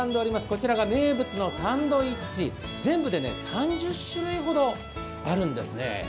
こちらが名物のサンドイッチ、全部で３０種類ほどあるんです。